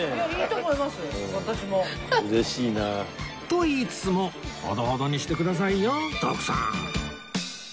と言いつつもほどほどにしてくださいよ徳さん